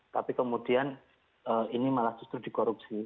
tapi kemudian ini malah justru dikorupsi